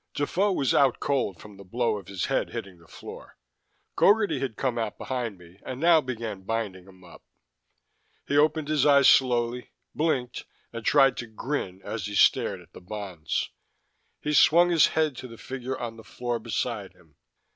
Defoe was out cold from the blow of his head hitting the floor. Gogarty had come out behind me and now began binding him up. He opened his eyes slowly, blinked, and tried to grin as he stared at the bonds. He swung his head to the figure on the floor beside him.